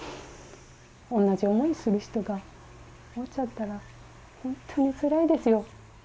同じ思いする人がいちゃったら、本当につらいですよ。